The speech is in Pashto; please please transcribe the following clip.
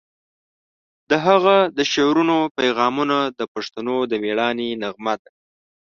د هغه د شعرونو پیغامونه د پښتنو د میړانې نغمه ده.